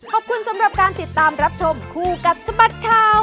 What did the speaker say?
ขอบคุณสำหรับการติดตามรับชมคู่กับสบัดข่าว